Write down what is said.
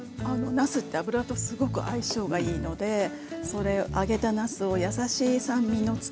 なすって油とすごく相性がいいのでそれを揚げたなすを優しい酸味のつけ汁に浸していきます。